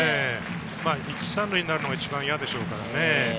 １・３塁になるのが、一番嫌でしょうからね。